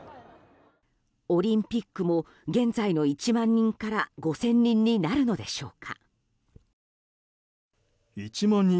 オリンピックも現在の１万人から５０００人になるのでしょうか。